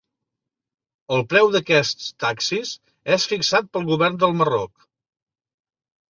El preu d'aquests taxis és fixat pel Govern del Marroc.